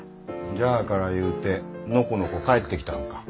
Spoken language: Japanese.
じゃあからいうてのこのこ帰ってきたんか。